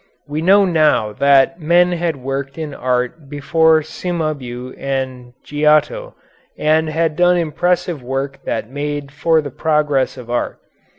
We know now that men had worked in art before Cimabue and Giotto, and had done impressive work that made for the progress of art.